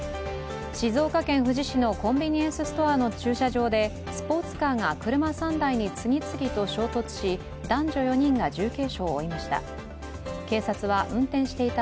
静岡県富士市のコンビニエンスストアの駐車場でスポーツカーが車３台に次々と衝突し、男女４人が重軽傷を負いました。